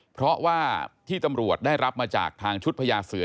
เพราะว่าที่ตำรวจได้รับมาจากทางชุดพญาเสือ